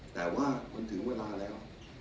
แต่วก็ถือเวลาแล้ว